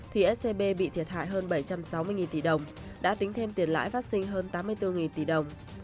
thì scb bị thiệt hại hơn bảy trăm sáu mươi tỷ đồng đã tính thêm tiền lãi phát sinh hơn tám mươi bốn tỷ đồng